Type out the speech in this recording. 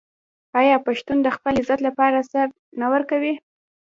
آیا پښتون د خپل عزت لپاره سر نه ورکوي؟